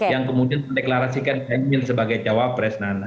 yang kemudian mendeklarasikan caimin sebagai capres